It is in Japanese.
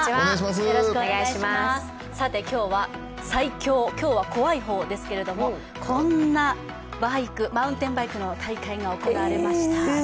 今日は最怖、今日は怖い方ですけどこんなバイク、マウンテンバイクの大会が行われました。